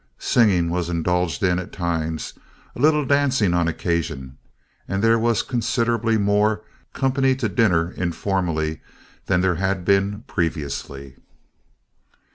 Singing was indulged in at times, a little dancing on occasion, and there was considerably more "company to dinner," informally, than there had been previously.